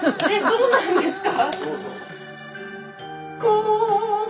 そうなんですか？